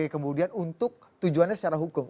kemudian untuk tujuannya secara hukum